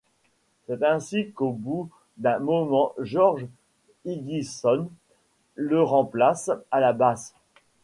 C'est ainsi qu'au bout d'un moment, Jorge Higginson leremplace à la basse.